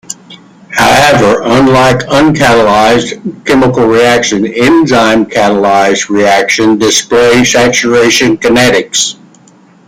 However, unlike uncatalysed chemical reactions, enzyme-catalysed reactions display saturation kinetics.